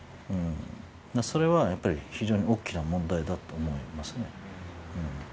それは、やっぱり非常に大きな問題だと思いますね。